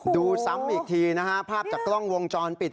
ดูซ้ำอีกทีนะฮะภาพจากกล้องวงจรปิด